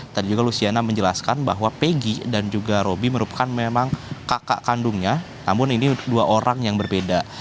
tadi juga luciana menjelaskan bahwa peggy dan juga roby merupakan memang kakak kandungnya namun ini dua orang yang berbeda